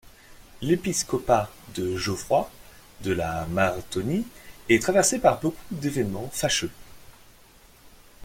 L'épiscopat de Geoffroy de La Marthonie est traversé par beaucoup d'événements fâcheux.